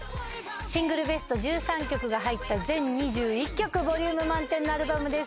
シングルベスト１３曲が入った全２１曲ボリューム満点のアルバムです